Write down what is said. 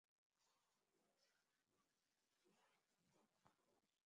কিছু কিছু সংবাদমাধ্যম দাবি করছে, দুই ক্লাবের মধ্যে চুক্তি হয়ে গেছে।